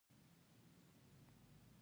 د ټولګیو بحثونه د پوهې د پراخېدو لاره ده.